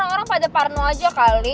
orang pada parno aja kali